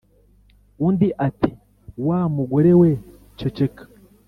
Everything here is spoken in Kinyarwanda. Undi ati « wa mugore we ceceka.